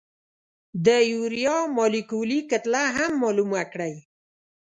د یوریا مالیکولي کتله هم معلومه کړئ.